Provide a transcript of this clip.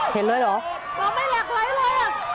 เช็ดเลยเหรอ